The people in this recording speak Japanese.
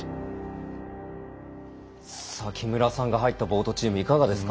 木村さんが入ったボートチームいかがですか？